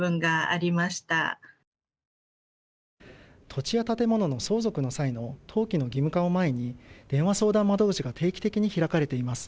土地や建物の相続の際の登記の義務化を前に電話相談窓口が定期的に開かれています。